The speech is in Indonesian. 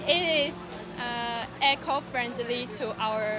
ini sangat berkawan dengan kita